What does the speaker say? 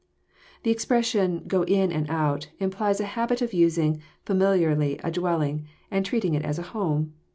The expression, *< go in and out," implies a habit of using familiarly a dwelling, and treating it as a home.